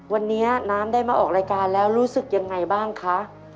วันนี้น้ำได้มาออกรายการแล้วรู้สึกยังไงบ้างคะ